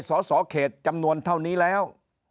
สสเขตจำนวนเท่านี้แล้ว